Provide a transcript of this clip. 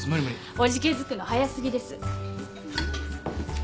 おじけづくの早過ぎです。